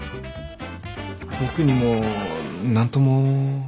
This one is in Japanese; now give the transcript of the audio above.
僕にも何とも。